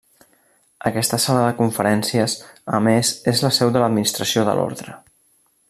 Aquesta sala de conferències a més és la seu de l'administració de l'Ordre.